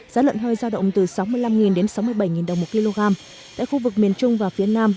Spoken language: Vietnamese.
giá lợn hơi giao động từ sáu mươi năm đến sáu mươi bảy đồng một kg tại khu vực miền trung và phía nam